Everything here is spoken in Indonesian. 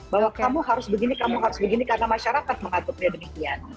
bahwa kamu harus begini kamu harus begini karena masyarakat mengaturnya demikian